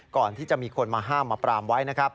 ก่อนที่จะมีคนมาห้ามมาปรามไว้นะครับ